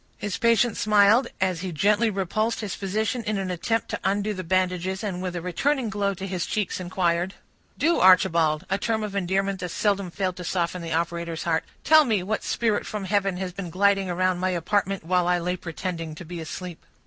His patient smiled, as he gently repulsed his physician in an attempt to undo the bandages, and with a returning glow to his cheeks, inquired,— "Do, Archibald,"—a term of endearment that seldom failed to soften the operator's heart,—"tell me what spirit from heaven has been gliding around my apartment, while I lay pretending to sleep?"